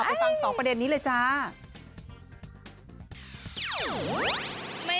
ไปฟัง๒ประเด็นนี้เลยจ้า